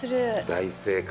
大正解。